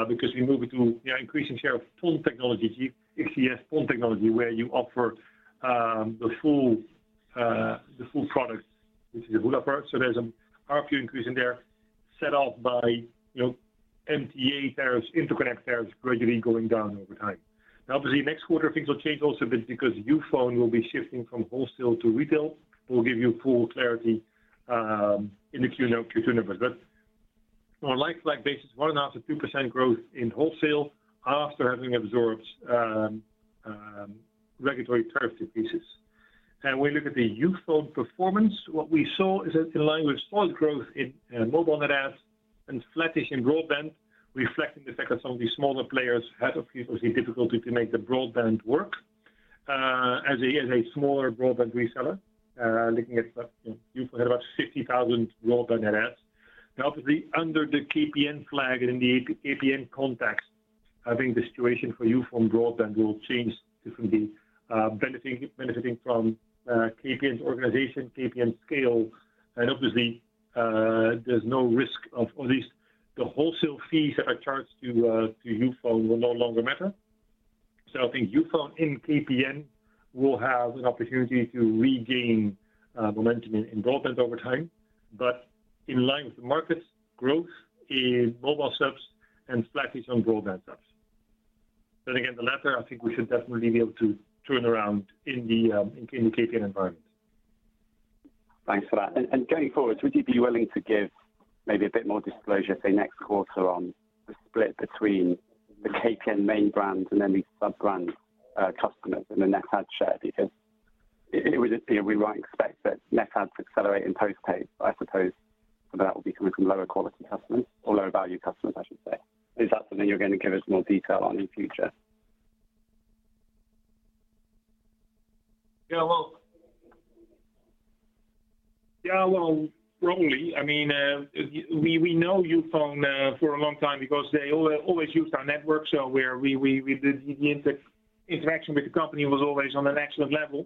because we're moving to, yeah, increasing share of PON technology, XGS-PON technology, where you offer the full product, which is the VULA part. So there's a powerful increase in there, set off by, you know, MTA tariffs, interconnect tariffs gradually going down over time. Now, obviously, next quarter, things will change also a bit because Youfone will be shifting from wholesale to retail. We'll give you full clarity in the Q note, Q2 number. But on a like flat basis, 1.5%-2% growth in wholesale after having absorbed regulatory tariff pieces. And we look at the Youfone performance. What we saw is that in line with small growth in mobile net adds and flattish in broadband, reflecting the fact that some of these smaller players had obviously difficulty to make the broadband work as a smaller broadband reseller, looking at, you know, Youfone had about 60,000 broadband net adds. Now, obviously, under the KPN flag and in the APG, KPN context, I think the situation for Youfone broadband will change differently, benefiting, benefiting from, KPN's organization, KPN scale. And obviously, there's no risk of at least the wholesale fees that are charged to, to Youfone will no longer matter. So I think Youfone in KPN will have an opportunity to regain, momentum in broadband over time, but in line with the market's growth in mobile subs and flattish on broadband subs. Then again, the latter, I think we should definitely be able to turn around in the, in the KPN environment. Thanks for that. And going forward, would you be willing to give maybe a bit more disclosure, say, next quarter on the split between the KPN main brand and then the sub-brand, customers and the net add share? Because it would be, we might expect that net adds to accelerate in postpaid, but I suppose that will be coming from lower quality customers or lower value customers, I should say. Is that something you're going to give us more detail on in future? Yeah, well, yeah, well, wrongly, I mean, we know Youfone for a long time because they always used our network, so the interaction with the company was always on an excellent level.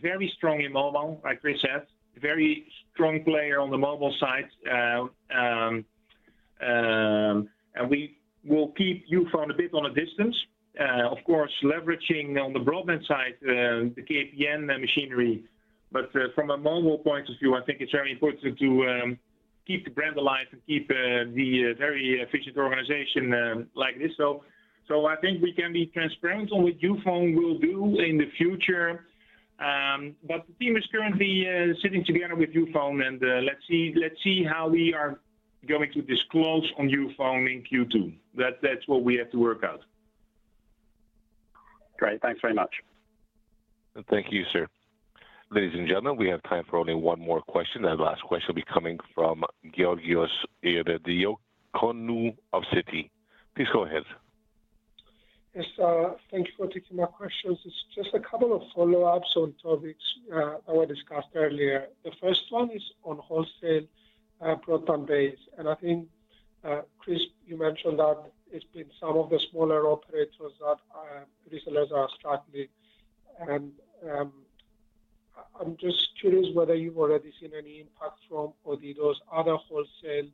Very strong in mobile, like Chris Figee said, very strong player on the mobile side. And we will keep Youfone a bit on a distance, of course, leveraging on the broadband side, the KPN machinery. But from a mobile point of view, I think it's very important to... keep the brand alive and keep the very efficient organization like this. So, I think we can be transparent on what Youfone will do in the future. But the team is currently sitting together with Youfone, and let's see how we are going to disclose on Youfone in Q2. That's what we have to work out. Great. Thanks very much. Thank you, sir. Ladies and gentlemen, we have time for only one more question, and the last question will be coming from Georgios Ierodiaconou of Citi. Please go ahead. Yes, thank you for taking my questions. It's just a couple of follow-ups on topics that were discussed earlier. The first one is on wholesale broadband base. And I think, Chris, you mentioned that it's been some of the smaller operators that resellers are struggling. And I'm just curious whether you've already seen any impact from Odido's other wholesale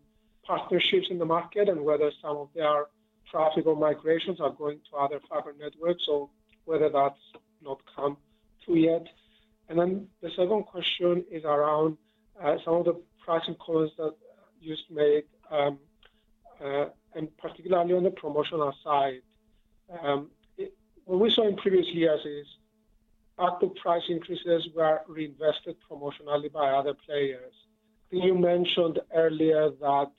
partnerships in the market, and whether some of their traffic or migrations are going to other fiber networks, or whether that's not come through yet. And then the second question is around some of the pricing calls that you just made and particularly on the promotional side. What we saw in previous years is active price increases were reinvested promotionally by other players. You mentioned earlier that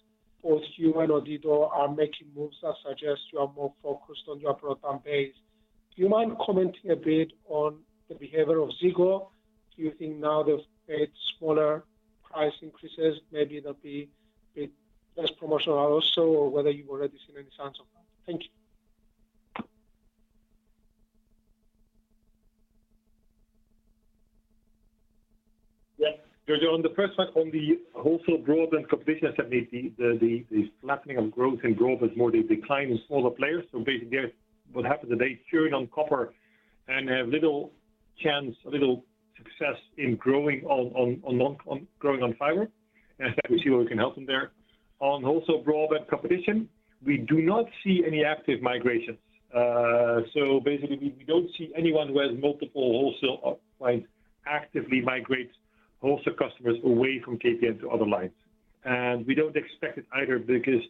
both you and Odido are making moves that suggest you are more focused on your broadband base. Do you mind commenting a bit on the behavior of Ziggo? Do you think now they've made smaller price increases, maybe there'll be a bit less promotional also, or whether you've already seen any signs of that? Thank you. Yes. George, on the first one, on the wholesale broadband competition, certainly the flattening of growth in growth is more the decline in smaller players. So basically, what happens is they churn on copper and have little chance, little success in growing on fiber. And I think we see where we can help them there. On wholesale broadband competition, we do not see any active migrations. So basically, we don't see anyone who has multiple wholesale points actively migrate wholesale customers away from KPN to other lines. And we don't expect it either, because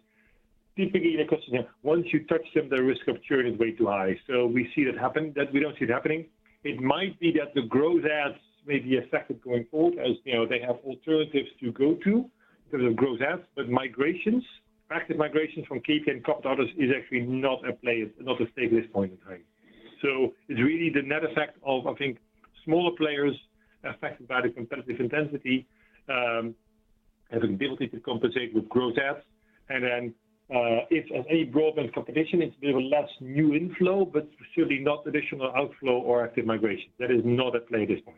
typically, the customer, once you touch them, the risk of churn is way too high. So we see that happen, that we don't see it happening. It might be that the growth adds may be affected going forward, as, you know, they have alternatives to go to in terms of growth adds. But migrations, active migrations from KPN copper to others is actually not at play, not at stake at this point in time. So it's really the net effect of, I think, smaller players affected by the competitive intensity, having the ability to compensate with growth adds. And then, if at any broadband competition, it's a bit of less new inflow, but surely not additional outflow or active migration. That is not at play at this point.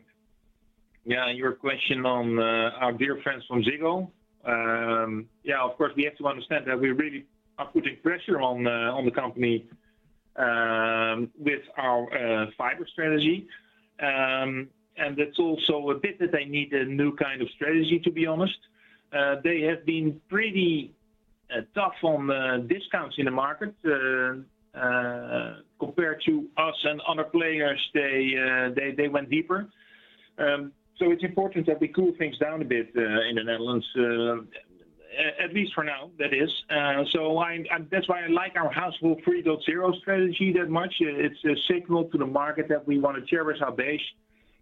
Yeah, and your question on our dear friends from Ziggo. Yeah, of course, we have to understand that we really are putting pressure on the company with our fiber strategy. And it's also a bit that they need a new kind of strategy, to be honest. They have been pretty tough on discounts in the market. Compared to us and other players, they went deeper. So it's important that we cool things down a bit in the Netherlands, at least for now, that is. So that's why I like our Household 3.0 strategy that much. It's a signal to the market that we want to cherish our base.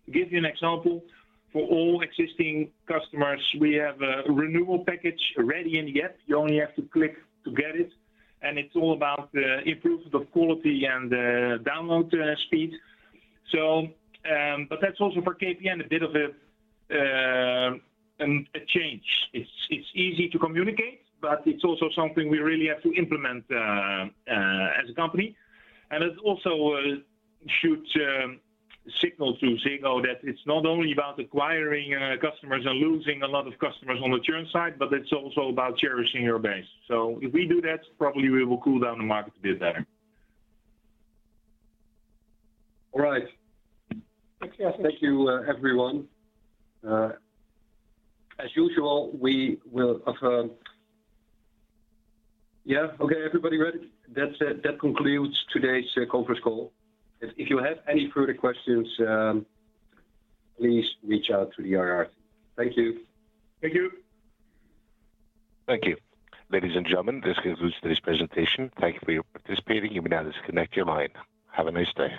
To give you an example, for all existing customers, we have a renewal package ready in the app. You only have to click to get it, and it's all about the improvement of quality and download speed. So, but that's also for KPN, a bit of a change. It's easy to communicate, but it's also something we really have to implement as a company. And it also should signal to Ziggo that it's not only about acquiring customers and losing a lot of customers on the churn side, but it's also about cherishing your base. So if we do that, probably we will cool down the market a bit better. All right. Thank you. Thank you, everyone. As usual, we will confirm... Yeah. Okay, everybody ready? That concludes today's conference call. If you have any further questions, please reach out to the IR. Thank you. Thank you. Thank you. Ladies and gentlemen, this concludes today's presentation. Thank you for your participating. Have a nice day.